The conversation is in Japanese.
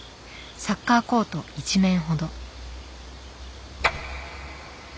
サッカーコート１面ほど。